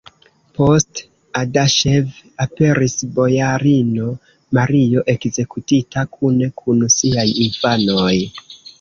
Post Adaŝev aperis bojarino Mario, ekzekutita kune kun siaj infanoj.